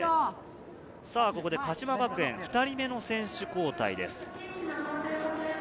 鹿島学園２人目の選手交代です。